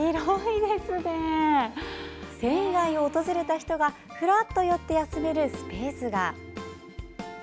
繊維街を訪れた人がふらっと寄って休めるスペースが。